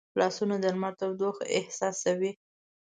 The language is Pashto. لاسونه د لمري تودوخه احساسوي